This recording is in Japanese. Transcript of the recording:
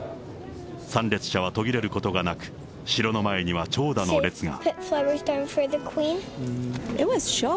参列者は途切れることがなく、城の前には長蛇の列が。